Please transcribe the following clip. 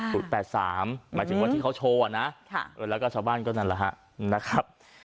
หมายถึงวันที่เขาโชว์นะแล้วก็ชาวบ้านก็นั่นแหละฮะนะครับ